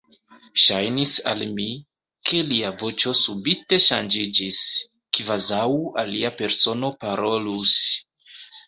Ŝajnis al mi, ke lia voĉo subite ŝanĝiĝis, kvazaŭ alia persono parolus.